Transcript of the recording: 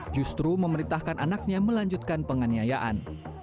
justru memerintahkan anaknya melanjutkan penganiayaan